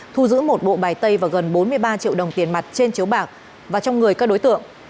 thu giữ một bộ bài tay và gần bốn mươi ba triệu đồng tiền mặt trên chiếu bạc và trong người các đối tượng